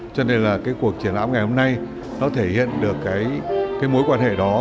cho nên cuộc triển lãm ngày hôm nay thể hiện được cái mối quan hệ đó